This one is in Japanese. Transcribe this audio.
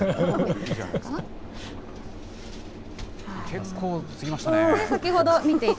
結構つぎましたね。